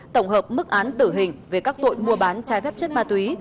tổng hợp mức án tử hình về các tội mua bán trái phép chất ma túy